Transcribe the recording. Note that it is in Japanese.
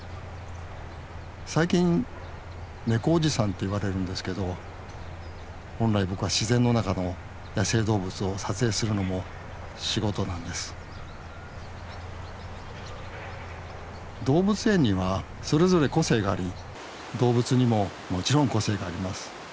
最近「ネコおじさん」って言われるんですけど本来僕は自然の中の野生動物を撮影するのも仕事なんです動物園にはそれぞれ個性があり動物にももちろん個性があります。